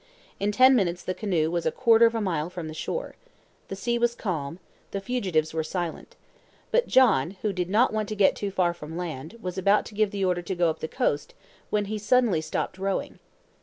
In ten minutes the canoe was a quarter of a mile from the shore. The sea was calm. The fugitives were silent. But John, who did not want to get too far from land, was about to give the order to go up the coast, when he suddenly stopped rowing.